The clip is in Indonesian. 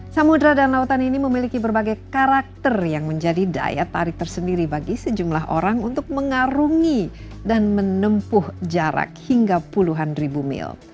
samudera dan lautan ini memiliki berbagai karakter yang menjadi daya tarik tersendiri bagi sejumlah orang untuk mengarungi dan menempuh jarak hingga puluhan ribu mil